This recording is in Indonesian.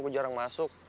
gue jarang masuk